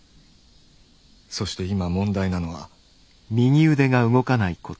そして今問題なのは。